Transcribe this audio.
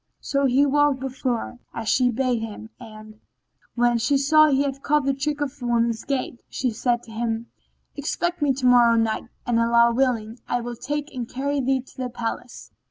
"[FN#18] So he walked before her, as she bade him; and, when she saw he had caught the trick of woman's gait, she said to him, "Expect me tomorrow night, and Allah willing, I will take and carry thee to the palace.